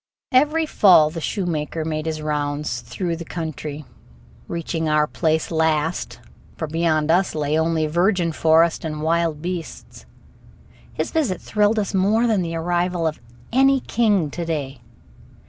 Every fall the shoemaker made his rounds through the country, reaching our place last, for beyond us lay only virgin forest and wild beasts. His visit thrilled us more than the arrival of any king to day.